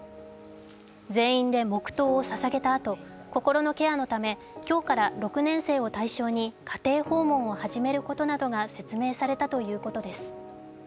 全員で黙とうをささげたあと心のケアのため今日から６年生を対象に、家庭訪問を始めることなどが説明されたということです。